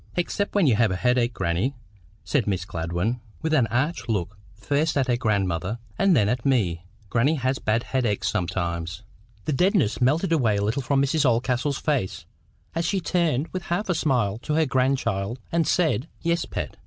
"Except when you have a headache, grannie," said Miss Gladwyn, with an arch look first at her grandmother, and then at me. "Grannie has bad headaches sometimes." The deadness melted a little from Mrs Oldcastle's face, as she turned with half a smile to her grandchild, and said— "Yes, Pet.